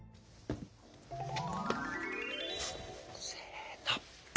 せの！